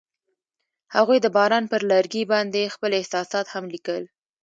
هغوی د باران پر لرګي باندې خپل احساسات هم لیکل.